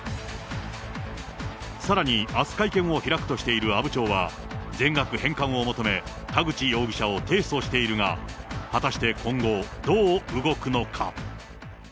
さらにあす会見を開くとしている阿武町は、全額返還を求め田口容疑者を提訴しているが、果たして今後、どう動くのか。